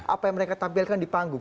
apa yang mereka tampilkan di panggung